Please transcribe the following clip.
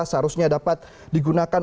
seharusnya dapat digunakan